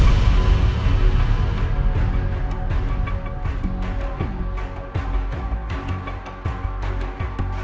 kepala kota yang menangis